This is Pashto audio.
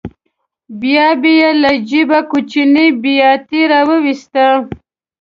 بیا به یې له جېبه کوچنۍ بیاتي راوویسته.